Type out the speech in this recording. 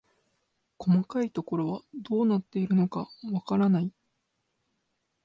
細かいところはどうなっているのかわからない